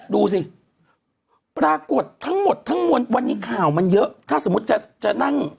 ดูสิปรากฏทั้งหมดข้างนวลวันนี้ข่าวมันเยอะถ้าจะนั่ง